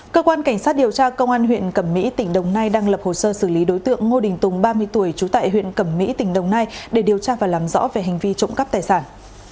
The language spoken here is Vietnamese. cơ quan cảnh sát điều tra công an huyện cẩm mỹ tỉnh đồng nai đang lập hồ sơ xử lý đối tượng ngô đình tùng ba mươi tuổi trú tại huyện cẩm mỹ tỉnh đồng nai để điều tra và làm rõ về hành vi trộm cắp tài sản